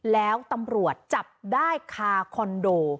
แล้วตำรวจจับได้คาคอนโด